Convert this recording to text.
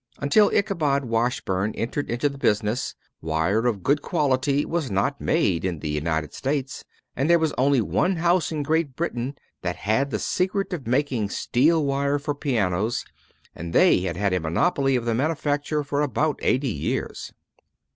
Until Ichabod Washburn entered into the business, wire of good quality was not made in the United States; and there was only one house in Great Britain that had the secret of making the steel wire for pianos, and they had had a monopoly of the manufacture for about eighty years.